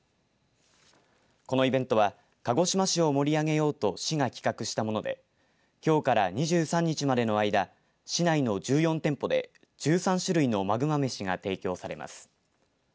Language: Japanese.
このイベントは鹿児島市を盛り上げようと市が企画したものできょうから２３日までの間市内の１４店舗で１３種類のマグマ飯が提供されます。